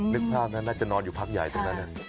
นึกภาพนะน่าจะนอนอยู่พักใหญ่ตรงนั้น